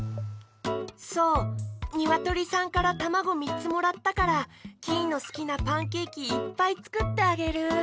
そうにわとりさんからたまごみっつもらったからキイのすきなパンケーキいっぱいつくってあげる。